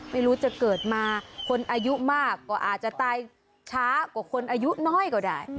ไม่รู้จะเกิดมาคนอายุมากก็อาจจะตายช้ากว่าคนอายุน้อยก็ได้